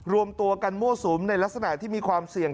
รวมตัวกันมั่วสุมในลักษณะที่มีความเสี่ยง